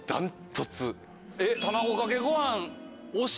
卵かけご飯。